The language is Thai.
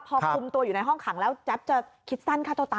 พอคุมตัวอยู่ในห้องขังแล้วแจ๊บจะคิดสั้นฆ่าตัวตาย